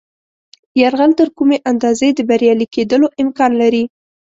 یرغل تر کومې اندازې د بریالي کېدلو امکان لري.